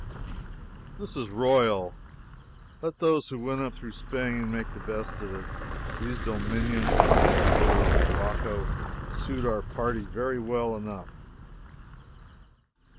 This is royal! Let those who went up through Spain make the best of it these dominions of the Emperor of Morocco suit our little party well enough.